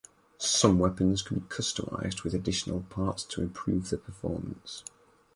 Some weapons can be customized with additional parts to improve their performance.